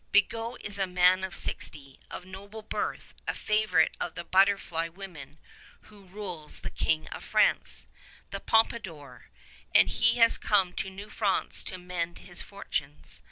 Bigot is a man of sixty, of noble birth, a favorite of the butterfly woman who rules the King of France, the Pompadour, and he has come to New France to mend his fortunes.